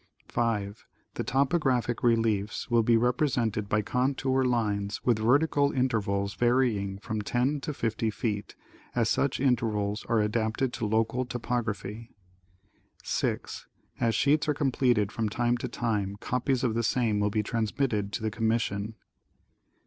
The topographic reliefs will be rej)resented by contour lines with vertical intervals varying from ten to fifty feet, as such in tervals are adapted to local topography. 6. As sheets are completed from time to time copies of the same will be transmitted to the commission.